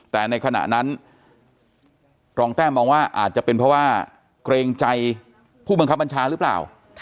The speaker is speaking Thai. แต่ในขณะนั้นรองแต้มมองว่าอาจจะเป็นเพราะว่าเกรงใจผู้บังคับบัญชาหรือเปล่า